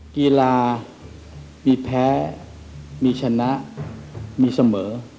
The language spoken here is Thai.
กีฬามีแพ้มีชนะมีเสมอ